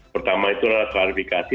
pertama itu adalah klarifikasi